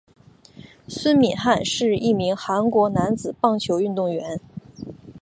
孙敏汉是一名韩国男子棒球运动员。